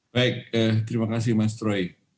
baik terima kasih mas troy